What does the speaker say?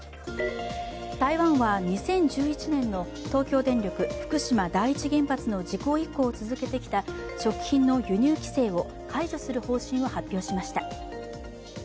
台湾は２０１１年の東京電力・福島第一原発の事故以降続けてきた食品の輸入規制を解除する方針を発表しました。